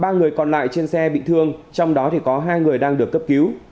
ba người còn lại trên xe bị thương trong đó có hai người đang được cấp cứu